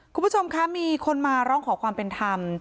คุณผู้ชมคะมีคนมาร้องขอความเป็นธรรม